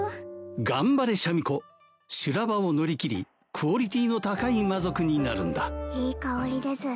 頑張れシャミ子修羅場を乗り切りクオリティーの高い魔族になるんだいい香りです